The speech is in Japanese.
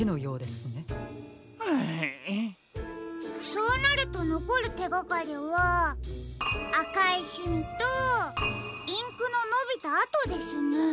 そうなるとのこるてがかりはあかいシミとインクののびたあとですね。